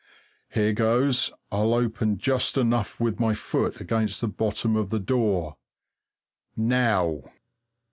Here goes I'll open just enough with my foot against the bottom of the door now!